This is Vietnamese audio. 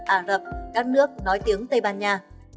ả rập các nước nổi tiếng tây ban nha